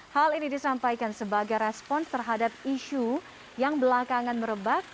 hal ini disampaikan sebagai respons terhadap isu yang belakangan merebak